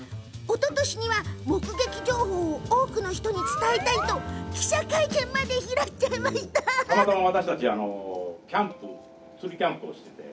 おととしには、目撃情報を多くの人に伝えたいと記者会見まで開いちゃったの。